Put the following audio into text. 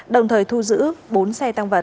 đồng thời thu giữ bốn xe tăng vật